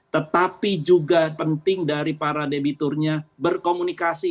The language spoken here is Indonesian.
tetapi juga penting dari para debiturnya berkomunikasi